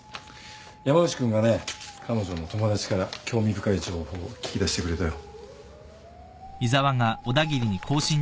山内君がね彼女の友達から興味深い情報を聞き出してくれたよ。